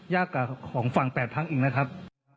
ยากกว่าของฝั่ง๘พักอีกนะครับ